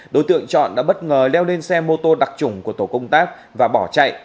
đối tượng trọn đã bất ngờ leo lên xe mô tô đặc trủng của tổ công tác và bỏ chạy